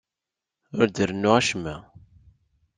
Ur d-rennuɣ acemma.